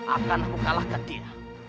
akan aku kalahkan dia